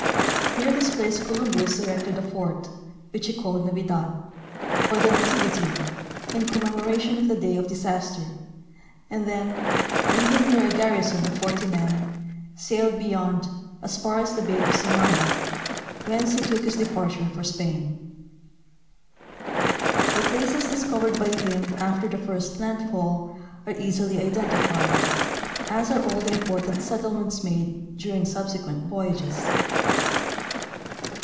Near this place Columbus erected a fort, which he called Navidad, or the nativity, in commemoration of the day of dis aster, and then, leaving here a garrison of forty men, sailed be yond, as fjir as the bay of Samana, whence he took his departure for Spain. The places discovered by him after the first landfall are easily identified, as are all the important settlements made during subsequent voyages.